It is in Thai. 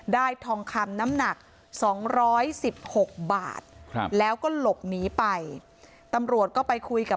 ทองคำน้ำหนักสองร้อยสิบหกบาทครับแล้วก็หลบหนีไปตำรวจก็ไปคุยกับ